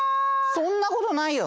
そんなことないよ。